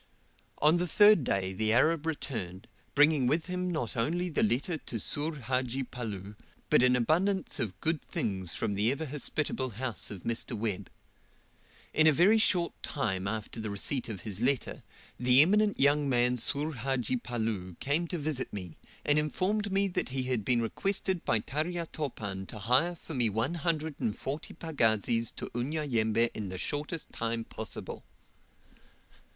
On the third day the Arab returned, bringing with him not only the letter to Soor Hadji Palloo, but an abundance of good things from the ever hospitable house of Mr. Webb. In a very short time after the receipt of his letter, the eminent young man Soor Hadji Palloo came to visit me, and informed me he had been requested by Tarya Topan to hire for me one hundred and forty pagazis to Unyanyembe in the shortest time possible.